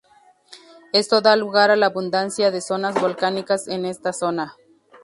Esto da lugar a la abundancia de rocas volcánicas en esta zona.